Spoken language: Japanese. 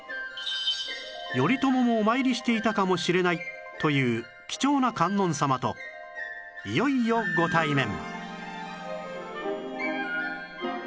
頼朝もお参りしていたかもしれないという貴重な観音様といよいよご対面